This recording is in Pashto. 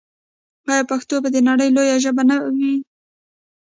آیا پښتو به د نړۍ یوه لویه ژبه نه وي؟